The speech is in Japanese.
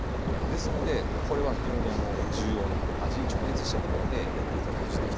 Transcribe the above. ですのでこれは非常に重要な味に直結してくるのでやって頂きたいです。